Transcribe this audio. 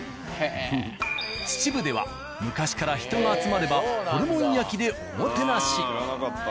秩父では昔から人が集まればホルモン焼きでおもてなし。